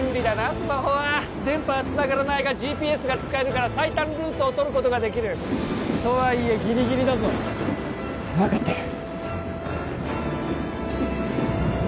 スマホは電波はつながらないがＧＰＳが使えるから最短ルートをとることができるとはいえギリギリだぞ分かってる